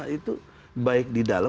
itu baik di dalam